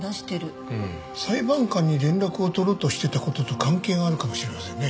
裁判官に連絡を取ろうとしてた事と関係があるかもしれませんね。